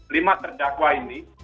lima terdakwa ini